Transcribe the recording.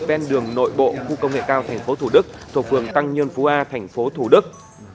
bên đường nội bộ khu công nghệ cao tp thủ đức thuộc phường tăng nhân phú a tp thủ đức